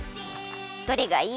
どれがいい？